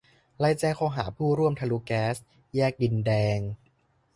ไล่แจ้งข้อหาผู้ร่วมทะลุแก๊สแยกดินแดง